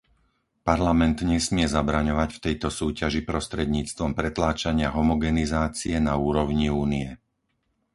Parlament nesmie zabraňovať v tejto súťaži prostredníctvom pretláčania homogenizácie na úrovni Únie.